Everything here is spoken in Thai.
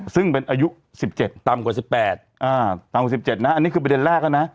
ซึ่งเป็นอายุ๑๗ต่ำกว่า๑๘ต่ำกว่า๑๗นะอันนี้คือประเด็นแรกแล้วนะ